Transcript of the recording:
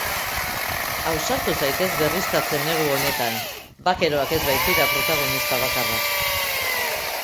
Ausartu zaitez berriztatzen negu honetan, bakeroak ez baitira protagonista bakarrak.